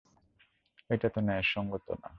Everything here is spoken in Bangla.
এটা তো ন্যায়সঙ্গত না।